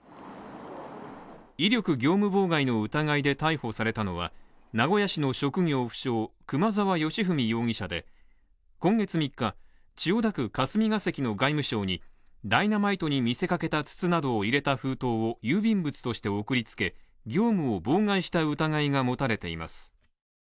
威力業務妨害の疑いで逮捕されたのは、名古屋市の職業不詳・熊沢良文容疑者で、今月３日、千代田区霞が関の外務省にダイナマイトに見せかけた筒などを入れた封筒を郵便物として送りつけ、業務を妨害した疑いが持たれています。